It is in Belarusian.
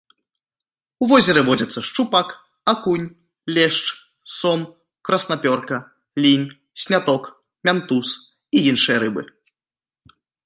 У возеры водзяцца шчупак, акунь, лешч, сом, краснапёрка, лінь, сняток, мянтуз і іншыя рыбы.